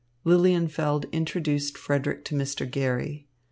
Lilienfeld introduced Frederick to Mr. Garry.